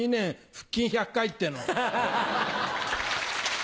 腹筋１００回っての。